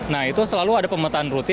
nah itu selalu ada pemetaan rutin